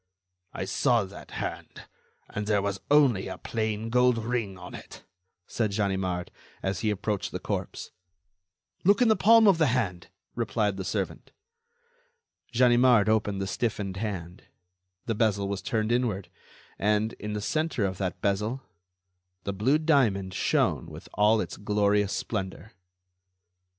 "I saw that hand, and there was only a plain gold ring on it," said Ganimard, as he approached the corpse. "Look in the palm of the hand," replied the servant. Ganimard opened the stiffened hand. The bezel was turned inward, and, in the centre of that bezel, the blue diamond shone with all its glorious splendor.